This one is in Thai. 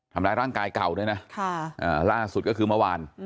ทำร้ายร่างกายเก่าด้วยนะล่าสุดก็คือเมื่อวาน